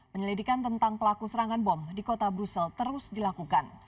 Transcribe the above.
penyelidikan tentang pelaku serangan bom di kota brussel terus dilakukan